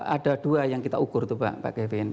ada dua yang kita ukur tuh pak kevin